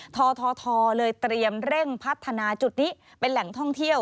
ททเลยเตรียมเร่งพัฒนาจุดนี้เป็นแหล่งท่องเที่ยว